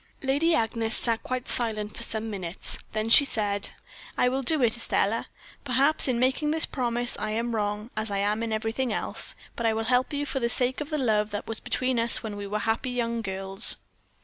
"Lady Agnes sat quite silent for some minutes, then she said: "'I will do it, Estelle. Perhaps, in making this promise, I am wrong, as I am in everything else; but I will help you for the sake of the love that was between us when we were happy young girls.'